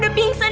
tapi tuan wa